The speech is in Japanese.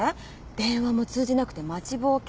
電話も通じなくて待ちぼうけ。